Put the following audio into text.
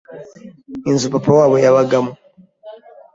inzu papa wabo yabagamo